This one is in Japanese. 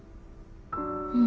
うん。